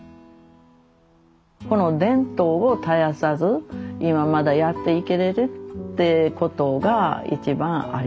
この伝統を絶やさず今まだやっていけれるってことが一番ありがたいなと思うてます。